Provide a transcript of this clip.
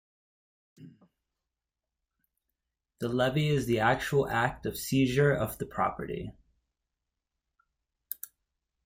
The levy is the actual act of seizure of the property.